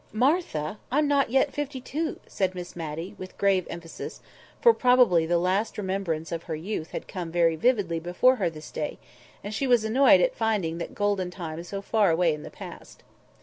"Martha, I'm not yet fifty two!" said Miss Matty, with grave emphasis; for probably the remembrance of her youth had come very vividly before her this day, and she was annoyed at finding that golden time so far away in the past.